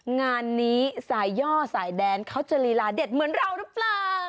งานนี้สายย่อสายแดนเขาจะลีลาเด็ดเหมือนเราหรือเปล่า